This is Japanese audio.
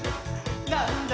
「なんだ？